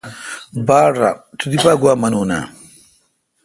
باڑ ران تو دی پا گوا مانون اؘ۔